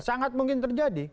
sangat mungkin terjadi